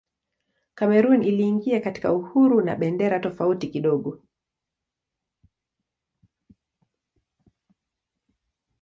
Kamerun iliingia katika uhuru na bendera tofauti kidogo.